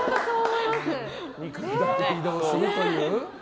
肉だけ移動するという？